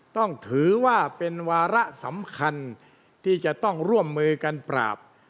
ต้องถือว่าเป็นวาระสำคัญที่จะต้องร่วมมือกันปราบ